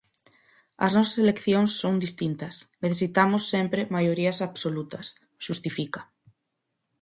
"As nosas eleccións son distintas, necesitamos sempre maiorías absolutas", xustifica.